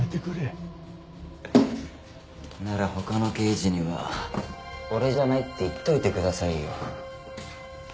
なら他の刑事には俺じゃないって言っておいてくださいよ。